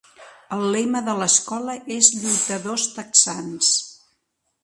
El lema de l'escola és "Lluitadors Texans"